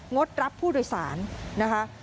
ดรับผู้โดยสารนะคะ